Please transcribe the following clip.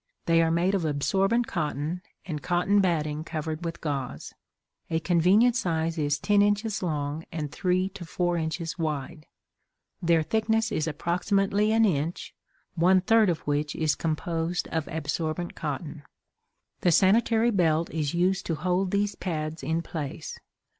They are made of absorbent cotton and cotton batting covered with gauze; a convenient size is ten inches long and three to four inches wide. Their thickness is approximately an inch, one third of which is composed of absorbent cotton. The sanitary belt is used to hold these pads in place.